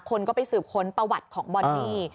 คนก็ไปสืบค้นประวัติของบอนนี่